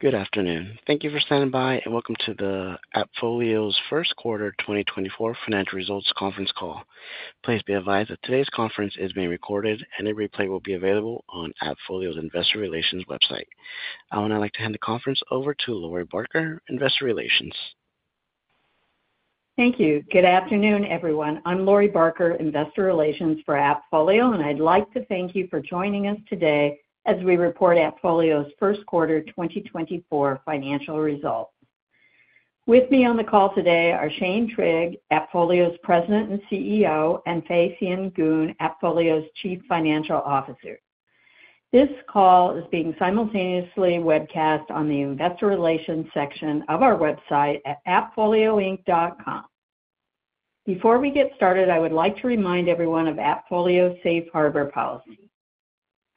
Good afternoon. Thank you for standing by, and welcome to AppFolio's First Quarter 2024 Financial Results Conference Call. Please be advised that today's conference is being recorded, and a replay will be available on AppFolio's investor relations website. I would now like to hand the conference over to Lori Barker, Investor Relations. Thank you. Good afternoon, everyone. I'm Lori Barker, Investor Relations for AppFolio, and I'd like to thank you for joining us today as we report AppFolio's first quarter 2024 financial results. With me on the call today are Shane Trigg, AppFolio's President and CEO, and Fay Sien Goon, AppFolio's Chief Financial Officer. This call is being simultaneously webcast on the investor relations section of our website at appfolioinc.com. Before we get started, I would like to remind everyone of AppFolio's Safe Harbor policy.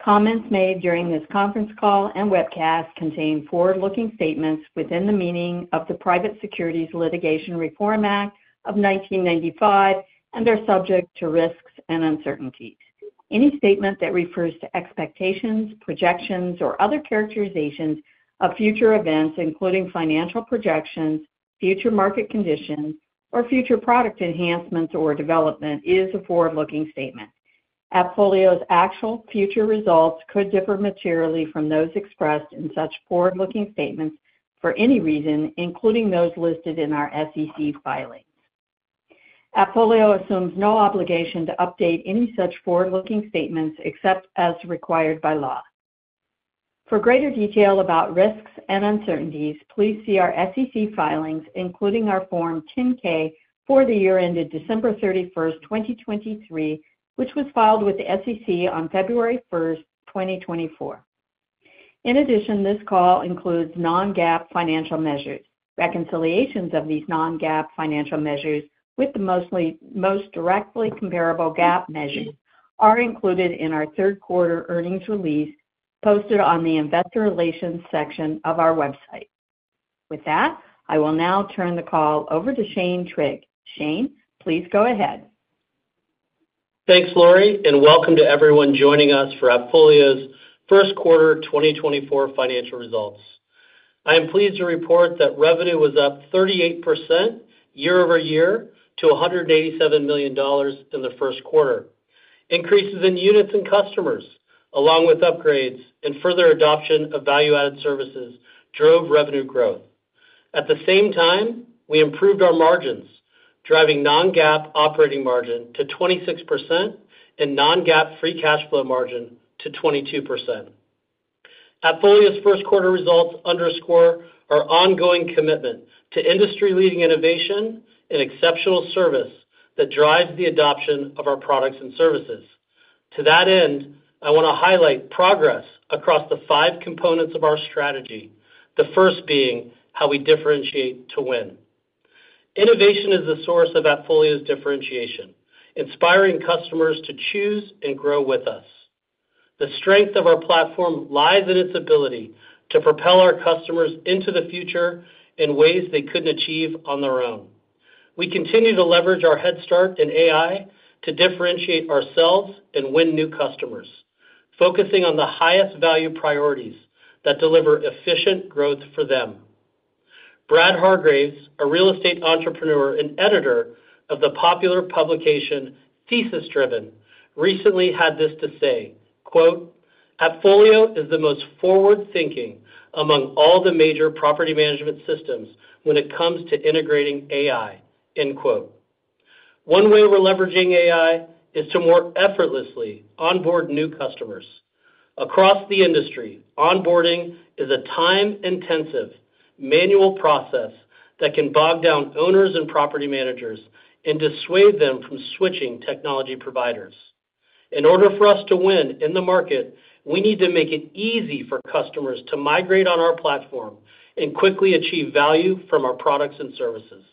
Comments made during this conference call and webcast contain forward-looking statements within the meaning of the Private Securities Litigation Reform Act of 1995, and are subject to risks and uncertainties. Any statement that refers to expectations, projections, or other characterizations of future events, including financial projections, future market conditions, or future product enhancements or development, is a forward-looking statement. AppFolio's actual future results could differ materially from those expressed in such forward-looking statements for any reason, including those listed in our SEC filings. AppFolio assumes no obligation to update any such forward-looking statements except as required by law. For greater detail about risks and uncertainties, please see our SEC filings, including our Form 10-K for the year ended December 31, 2023, which was filed with the SEC on February 1, 2024. In addition, this call includes non-GAAP financial measures. Reconciliations of these non-GAAP financial measures with the most directly comparable GAAP measures are included in our third quarter earnings release, posted on the investor relations section of our website. With that, I will now turn the call over to Shane Trigg. Shane, please go ahead. Thanks, Lori, and welcome to everyone joining us for AppFolio's First Quarter 2024 Financial Results. I am pleased to report that revenue was up 38% year-over-year to $187 million in the first quarter. Increases in units and customers, along with upgrades and further adoption of value-added services, drove revenue growth. At the same time, we improved our margins, driving non-GAAP operating margin to 26% and non-GAAP free cash flow margin to 22%. AppFolio's first quarter results underscore our ongoing commitment to industry-leading innovation and exceptional service that drives the adoption of our products and services. To that end, I want to highlight progress across the five components of our strategy, the first being how we differentiate to win. Innovation is the source of AppFolio's differentiation, inspiring customers to choose and grow with us. The strength of our platform lies in its ability to propel our customers into the future in ways they couldn't achieve on their own. We continue to leverage our head start in AI to differentiate ourselves and win new customers, focusing on the highest value priorities that deliver efficient growth for them. Brad Hargreaves, a real estate entrepreneur and editor of the popular publication, Thesis Driven, recently had this to say, quote, "AppFolio is the most forward-thinking among all the major property management systems when it comes to integrating AI," end quote. One way we're leveraging AI is to more effortlessly onboard new customers. Across the industry, onboarding is a time-intensive, manual process that can bog down owners and property managers and dissuade them from switching technology providers. In order for us to win in the market, we need to make it easy for customers to migrate on our platform and quickly achieve value from our products and services.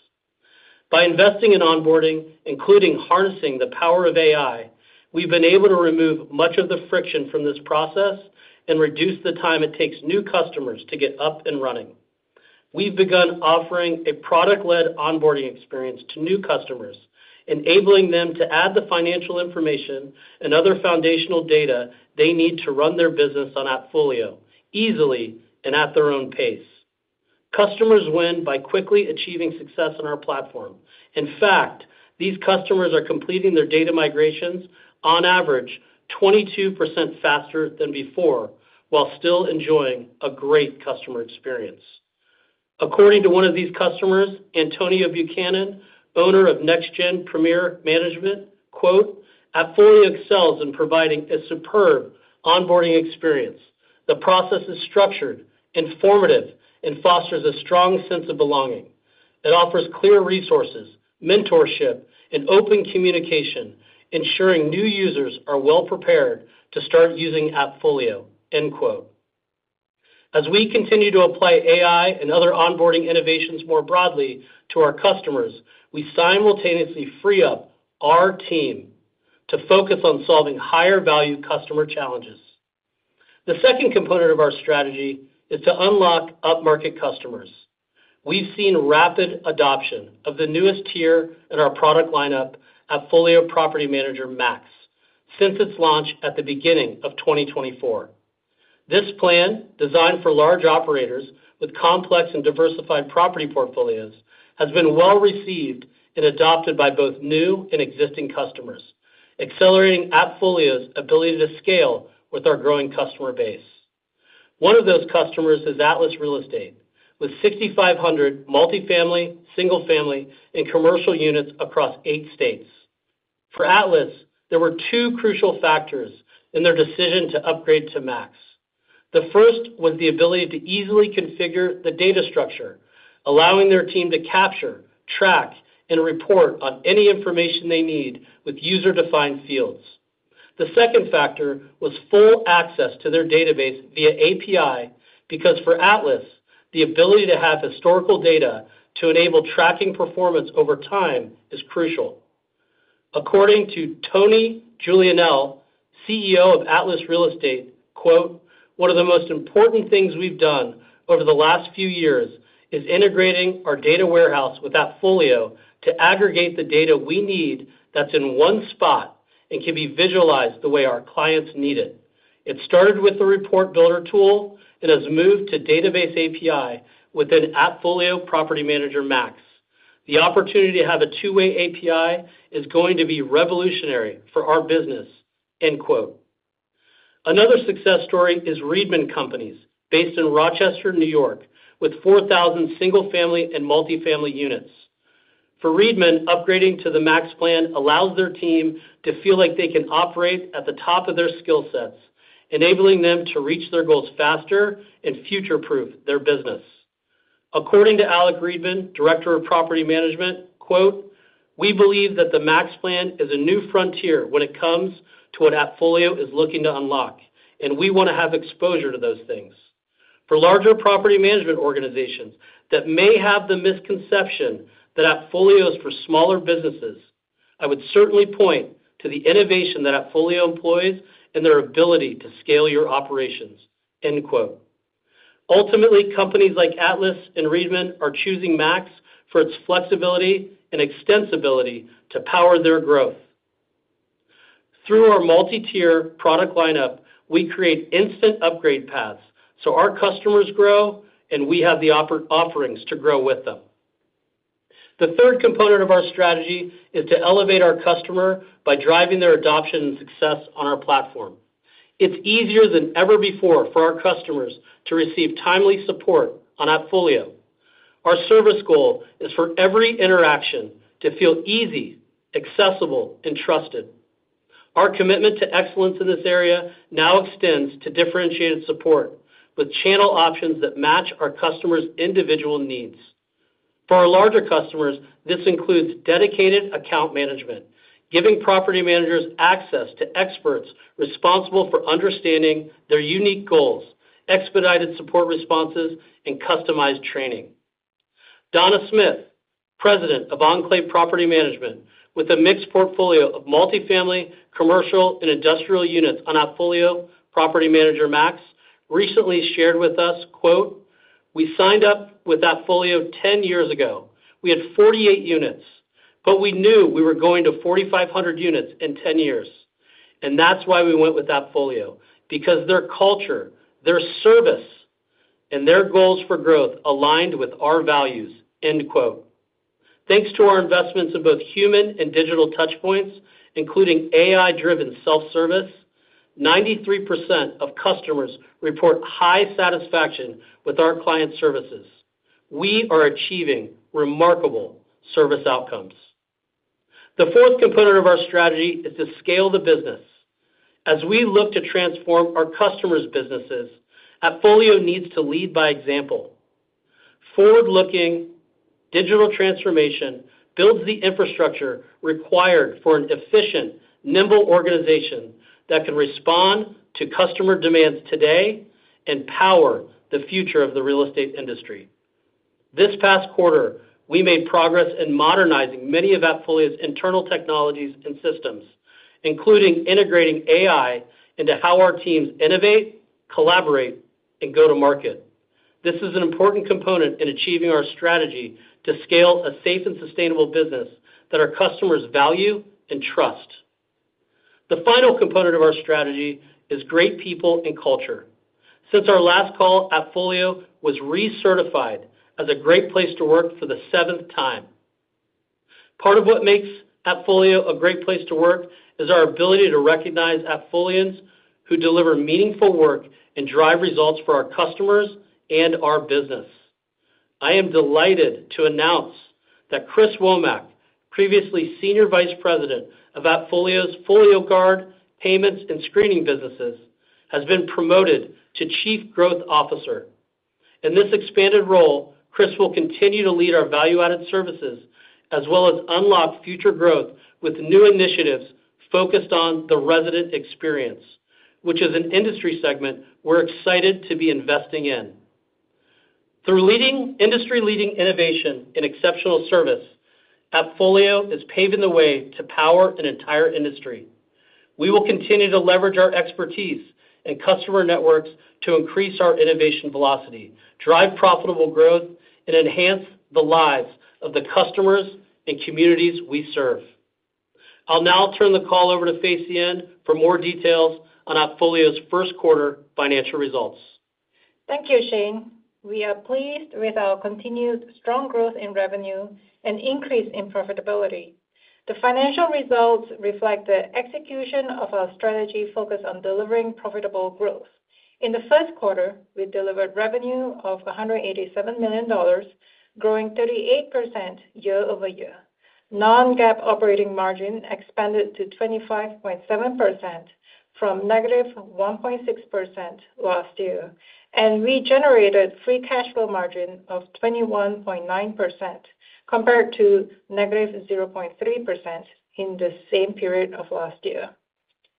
By investing in onboarding, including harnessing the power of AI, we've been able to remove much of the friction from this process and reduce the time it takes new customers to get up and running. We've begun offering a product-led onboarding experience to new customers, enabling them to add the financial information and other foundational data they need to run their business on AppFolio easily and at their own pace. Customers win by quickly achieving success on our platform. In fact, these customers are completing their data migrations on average, 22% faster than before, while still enjoying a great customer experience. According to one of these customers, Antonio Buchanan, owner of NextGen Premier Management, quote, "AppFolio excels in providing a superb onboarding experience. The process is structured, informative, and fosters a strong sense of belonging. It offers clear resources, mentorship, and open communication, ensuring new users are well-prepared to start using AppFolio," end quote. As we continue to apply AI and other onboarding innovations more broadly to our customers, we simultaneously free up our team to focus on solving higher-value customer challenges. The second component of our strategy is to unlock upmarket customers.... We've seen rapid adoption of the newest tier in our product lineup, AppFolio Property Manager Max, since its launch at the beginning of 2024. This plan, designed for large operators with complex and diversified property portfolios, has been well-received and adopted by both new and existing customers, accelerating AppFolio's ability to scale with our growing customer base. One of those customers is Atlas Real Estate, with 6,500 multifamily, single-family, and commercial units across eight states. For Atlas, there were two crucial factors in their decision to upgrade to Max. The first was the ability to easily configure the data structure, allowing their team to capture, track, and report on any information they need with user-defined fields. The second factor was full access to their database via API, because for Atlas, the ability to have historical data to enable tracking performance over time is crucial. According to Tony Julianelle, CEO of Atlas Real Estate, "One of the most important things we've done over the last few years is integrating our data warehouse with AppFolio to aggregate the data we need that's in one spot and can be visualized the way our clients need it. It started with the report builder tool and has moved to database API within AppFolio Property Manager Max. The opportunity to have a two-way API is going to be revolutionary for our business." End quote. Another success story is Riedman Companies, based in Rochester, New York, with 4,000 single-family and multifamily units. For Riedman, upgrading to the Max plan allows their team to feel like they can operate at the top of their skill sets, enabling them to reach their goals faster and future-proof their business. According to Alec Riedman, Director of Property Management, quote, "We believe that the Max plan is a new frontier when it comes to what AppFolio is looking to unlock, and we want to have exposure to those things. For larger property management organizations that may have the misconception that AppFolio is for smaller businesses, I would certainly point to the innovation that AppFolio employs and their ability to scale your operations." End quote. Ultimately, companies like Atlas and Riedman are choosing Max for its flexibility and extensibility to power their growth. Through our multi-tier product lineup, we create instant upgrade paths, so our customers grow, and we have the offerings to grow with them. The third component of our strategy is to elevate our customer by driving their adoption and success on our platform. It's easier than ever before for our customers to receive timely support on AppFolio. Our service goal is for every interaction to feel easy, accessible, and trusted. Our commitment to excellence in this area now extends to differentiated support, with channel options that match our customers' individual needs. For our larger customers, this includes dedicated account management, giving property managers access to experts responsible for understanding their unique goals, expedited support responses, and customized training. Donna Smith, President of Enclave Property Management, with a mixed portfolio of multifamily, commercial, and industrial units on AppFolio Property Manager Max, recently shared with us, quote, "We signed up with AppFolio 10 years ago. We had 48 units, but we knew we were going to 4,500 units in 10 years, and that's why we went with AppFolio, because their culture, their service, and their goals for growth aligned with our values." End quote. Thanks to our investments in both human and digital touchpoints, including AI-driven self-service, 93% of customers report high satisfaction with our client services. We are achieving remarkable service outcomes. The fourth component of our strategy is to scale the business. As we look to transform our customers' businesses, AppFolio needs to lead by example. Forward-looking digital transformation builds the infrastructure required for an efficient, nimble organization that can respond to customer demands today and power the future of the real estate industry. This past quarter, we made progress in modernizing many of AppFolio's internal technologies and systems, including integrating AI into how our teams innovate, collaborate, and go to market. This is an important component in achieving our strategy to scale a safe and sustainable business that our customers value and trust. The final component of our strategy is great people and culture. Since our last call, AppFolio was recertified as a great place to work for the seventh time. Part of what makes AppFolio a great place to work is our ability to recognize AppFolians who deliver meaningful work and drive results for our customers and our business. I am delighted to announce that Chris Womack, previously Senior Vice President of AppFolio's FolioGuard, Payments, and Screening businesses, has been promoted to Chief Growth Officer. In this expanded role, Chris will continue to lead our value-added services, as well as unlock future growth with new initiatives focused on the resident experience, which is an industry segment we're excited to be investing in. Through industry-leading innovation and exceptional service, AppFolio is paving the way to power an entire industry. We will continue to leverage our expertise and customer networks to increase our innovation velocity, drive profitable growth, and enhance the lives of the customers and communities we serve. I'll now turn the call over to Fay Sien for more details on AppFolio's first quarter financial results. Thank you, Shane. We are pleased with our continued strong growth in revenue and increase in profitability. The financial results reflect the execution of our strategy focused on delivering profitable growth. In the first quarter, we delivered revenue of $187 million, growing 38% year-over-year. Non-GAAP operating margin expanded to 25.7% from -1.6% last year, and we generated free cash flow margin of 21.9% compared to -0.3% in the same period of last year.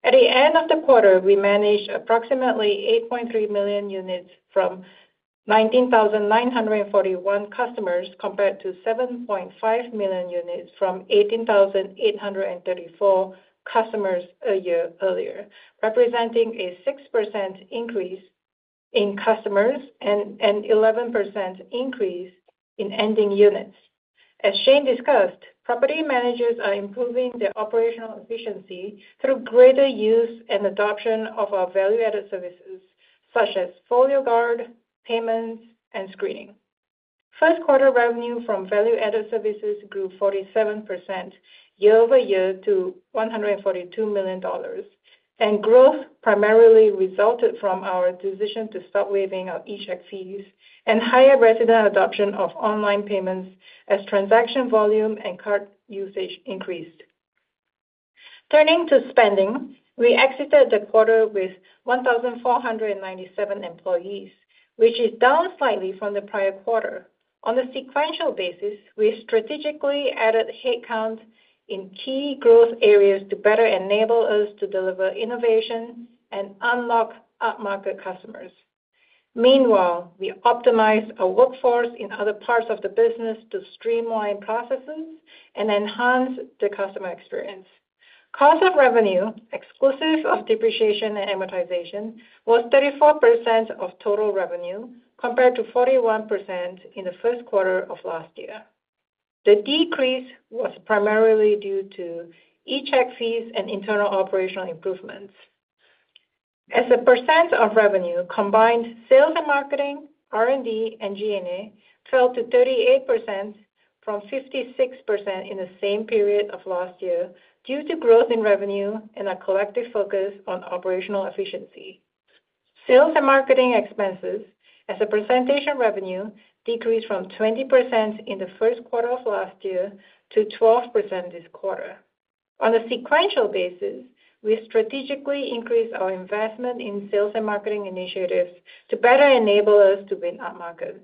At the end of the quarter, we managed approximately 8.3 million units from 19,941 customers, compared to 7.5 million units from 18,834 customers a year earlier, representing a 6% increase in customers and eleven percent increase in ending units. As Shane discussed, property managers are improving their operational efficiency through greater use and adoption of our value-added services, such as FolioGuard, payments, and screening. First quarter revenue from value-added services grew 47% year-over-year to $142 million, and growth primarily resulted from our decision to stop waiving our eCheck fees and higher resident adoption of online payments as transaction volume and card usage increased. Turning to spending, we exited the quarter with 1,497 employees, which is down slightly from the prior quarter. On a sequential basis, we strategically added headcount in key growth areas to better enable us to deliver innovation and unlock upmarket customers. Meanwhile, we optimized our workforce in other parts of the business to streamline processes and enhance the customer experience. Cost of revenue, exclusive of depreciation and amortization, was 34% of total revenue, compared to 41% in the first quarter of last year. The decrease was primarily due to eCheck fees and internal operational improvements. As a percent of revenue, combined sales and marketing, R&D, and G&A fell to 38% from 56% in the same period of last year due to growth in revenue and a collective focus on operational efficiency. Sales and marketing expenses as a percentage of revenue decreased from 20% in the first quarter of last year to 12% this quarter. On a sequential basis, we strategically increased our investment in sales and marketing initiatives to better enable us to win upmarket.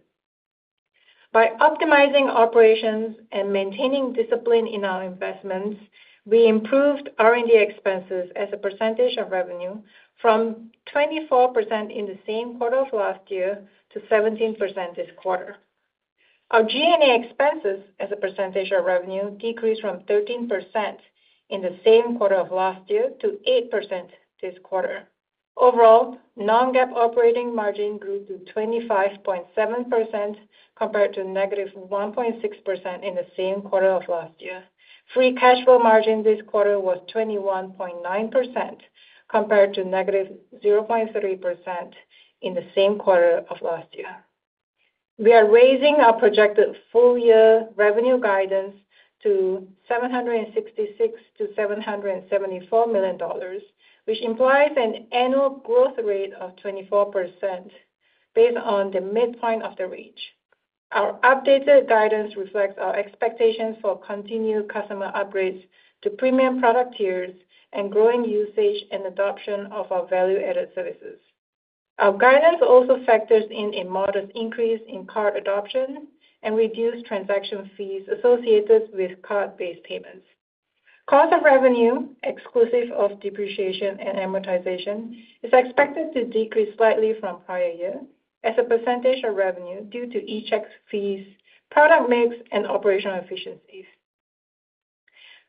By optimizing operations and maintaining discipline in our investments, we improved R&D expenses as a percentage of revenue from 24% in the same quarter of last year to 17% this quarter. Our G&A expenses as a percentage of revenue decreased from 13% in the same quarter of last year to 8% this quarter. Overall, non-GAAP operating margin grew to 25.7% compared to -1.6% in the same quarter of last year. Free cash flow margin this quarter was 21.9%, compared to -0.3% in the same quarter of last year. We are raising our projected full-year revenue guidance to $766 million-$774 million, which implies an annual growth rate of 24% based on the midpoint of the range. Our updated guidance reflects our expectations for continued customer upgrades to premium product tiers and growing usage and adoption of our value-added services. Our guidance also factors in a modest increase in card adoption and reduced transaction fees associated with card-based payments. Cost of revenue, exclusive of depreciation and amortization, is expected to decrease slightly from prior year as a percentage of revenue due to eCheck fees, product mix, and operational efficiencies.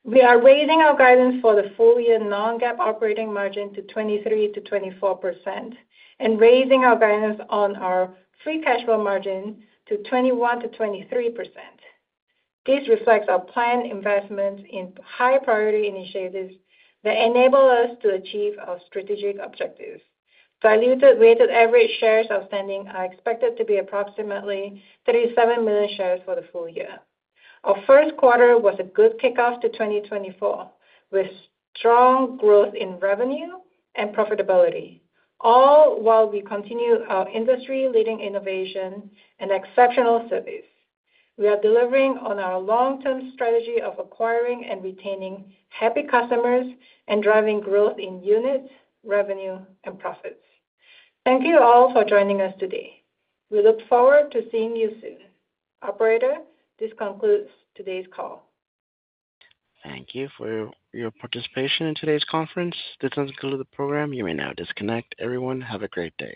We are raising our guidance for the full-year non-GAAP operating margin to 23%-24% and raising our guidance on our free cash flow margin to 21%-23%. This reflects our planned investments in high-priority initiatives that enable us to achieve our strategic objectives. Diluted weighted average shares outstanding are expected to be approximately 37 million shares for the full year. Our first quarter was a good kickoff to 2024, with strong growth in revenue and profitability, all while we continue our industry-leading innovation and exceptional service. We are delivering on our long-term strategy of acquiring and retaining happy customers and driving growth in units, revenue, and profits. Thank you all for joining us today. We look forward to seeing you soon. Operator, this concludes today's call. Thank you for your participation in today's conference. This concludes the program. You may now disconnect. Everyone, have a great day.